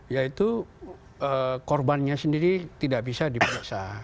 yaitu korbannya sendiri tidak bisa diperiksa